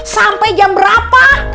sampai jam berapa